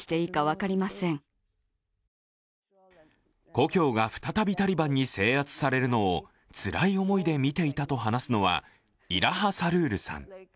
故郷が再びタリバンに制圧されるのをつらい思いで見ていたと話すのはイラハ・サルールさん。